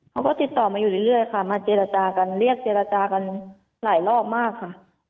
เขาก็ติดต่อมาอยู่เรื่อยค่ะมาเจรจากันเรียกเจรจากันหลายรอบมากค่ะ